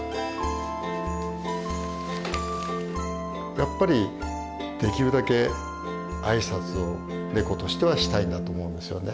やっぱりできるだけ挨拶をネコとしてはしたいんだと思うんですよね。